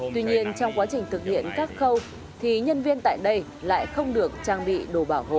tuy nhiên trong quá trình thực hiện các khâu thì nhân viên tại đây lại không được trang bị đồ bảo hộ